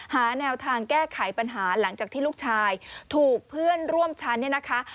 หาแนวทางแก้ไขปัญหาหลังจากที่ลูกชายถูกเพื่อนร่วมชั้นเนี่ยนะคะ